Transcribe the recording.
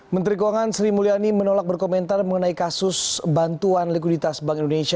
menteri keuangan sri mulyani menolak berkomentar mengenai kasus bantuan likuiditas bank indonesia